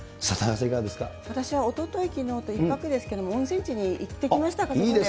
私はおととい、きのうと１泊ですけど、温泉地に行ってきました、家族で。